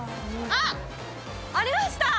あっ！ありました。